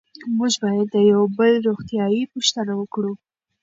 موږ باید د یو بل روغتیایي پوښتنه وکړو.